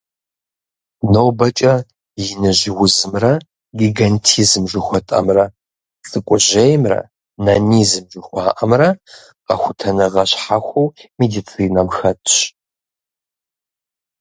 НобэкӀэ «иныжь узымрэ» - гигантизм жыхуэтӀэмрэ, «цӀыкӀужьеймрэ» - нанизм жыхуаӀэмрэ къэхутэныгъэ щхьэхуэу медицинэм хэтщ.